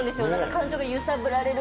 感情が揺さぶられる。